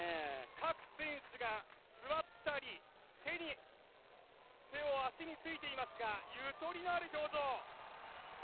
各選手が座ったり手を足についていますがゆとりのある表情。